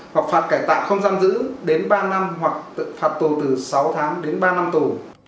hoặc phạt cải tạo không giam giữ đến ba năm hoặc phạt tù từ sáu tháng đến ba năm tù